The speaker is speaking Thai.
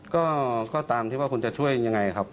ก็ตามที่ว่าคุณจะช่วยยังไงครับ